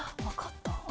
分かった。